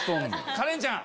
カレンちゃん